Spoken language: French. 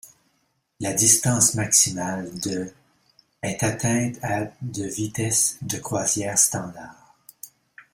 La distance maximale de est atteinte à de vitesse de croisière standard.